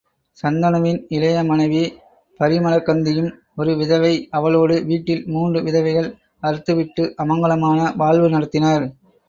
சந்தனுவின் இளைய மனைவி பரிமளகந்தியும் ஒரு விதவை அவளோடு வீட்டில் மூன்று விதவைகள் அறுத்துவிட்டு அமங்கலமான வாழ்வு நடத்தினர்.